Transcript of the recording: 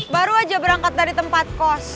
baru aja berangkat dari tempat kos